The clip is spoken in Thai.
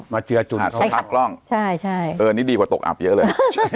เจือจุดสภาพกล้องใช่ใช่เออนี่ดีกว่าตกอับเยอะเลย